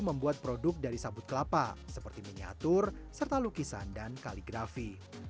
membuat produk dari sabut kelapa seperti miniatur serta lukisan dan kaligrafi